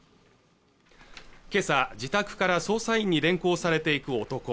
今朝自宅から捜査員に連行されていく男